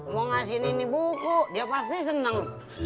mau ngasihin ini buku dia pasti senang